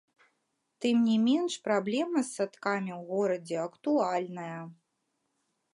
Тым не менш праблема з садкамі ў горадзе актуальная.